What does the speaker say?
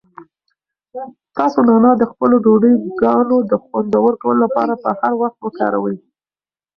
تاسو نعناع د خپلو ډوډۍګانو د خوندور کولو لپاره په هر وخت وکاروئ.